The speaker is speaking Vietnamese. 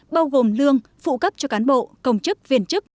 bao gồm lương phụ cấp cho cán bộ công chức viên chức